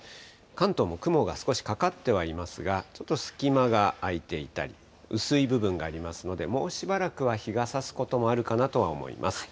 関東も雲が少しかかってはいますが、ちょっと隙間が空いていたり、薄い部分がありますので、もうしばらくは日がさすこともあるかなとは思います。